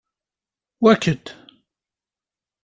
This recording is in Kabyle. Wekked.